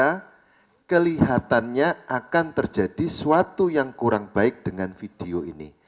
karena kelihatannya akan terjadi suatu yang kurang baik dengan video ini